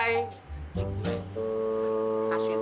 cikgu kasih tahu bagi